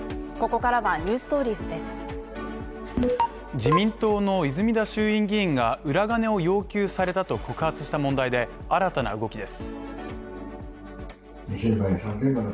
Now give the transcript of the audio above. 自民党の泉田衆院議員が裏金を要求されたと告発した問題で、新たな動きです。